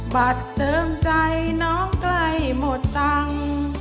บัตรเติมใจน้องใกล้หมดตังค์